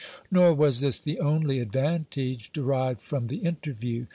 Nor was this the only advantage derived from the interview.